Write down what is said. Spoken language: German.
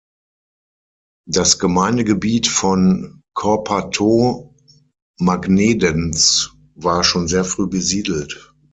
Das Gemeindegebiet von Corpataux-Magnedens war schon sehr früh besiedelt.